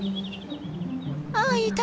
あっいた！